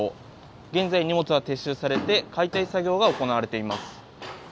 現在、荷物は撤収されて解体作業が行われています。